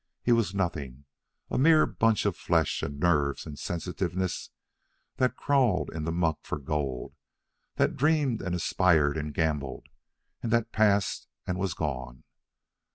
He was nothing a mere bunch of flesh and nerves and sensitiveness that crawled in the muck for gold, that dreamed and aspired and gambled, and that passed and was gone.